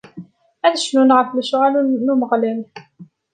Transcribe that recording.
Ad cnun ɣef lecɣwal n Umeɣlal.